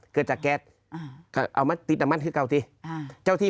เกิดจากแก๊สเอามาติดน้ำมันคือเก่าที่